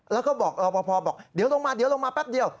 แล้วก็รอบพอพอบอกเดี๋ยวลงมาแป๊บเดียว